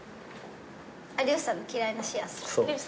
有吉さんの嫌いなシェアする。